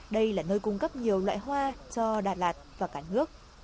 đây là nơi cung cấp nhiều loại hoa cho đà lạt và cả nước